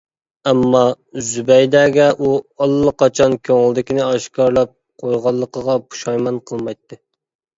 ئەمما، زۇبەيدەگە ئۇ ئاللىقاچان كۆڭلىدىكىنى ئاشكارىلاپ قويغانلىقىغا پۇشايمان قىلمايتتى.